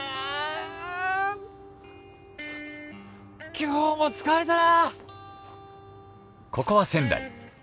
今日も疲れたな。